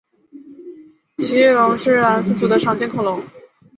奇异龙是兰斯组的常见恐龙。